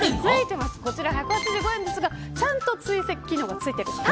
１８５円ですがちゃんと追跡機能がついています。